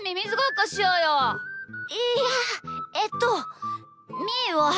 いやえっとみーは。